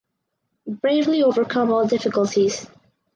Bravely overcome all difficulties.